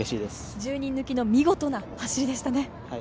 １０人抜きの見事な走りでしたね。